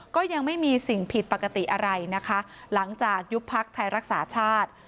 ก็ยังไม่มีสิ่งผิดปกติอะไรนะคะหลังจากยุบพักไทยรักษาชาติ